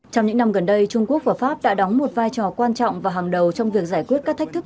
trong những năm gần đây trung quốc và pháp đã đóng một vai trò quan trọng và hàng đầu trong việc giải quyết các thách thức